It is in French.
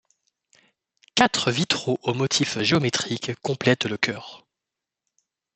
Quatre vitraux aux motifs géométriques complètent le chœur.